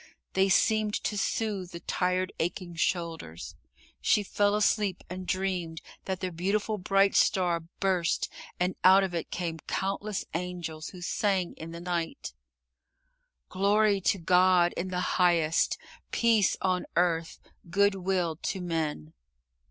They seemed to soothe the tired aching shoulders. She fell asleep and dreamed that the beautiful, bright star burst and out of it came countless angels, who sang in the night: "Glory to God in the highest, peace on earth, good will to men."